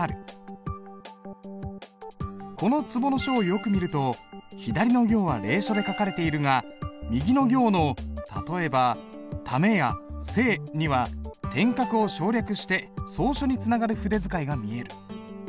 この壷の書をよく見ると左の行は隷書で書かれているが右の行の例えば「為」や「生」には点画を省略して草書につながる筆使いが見える。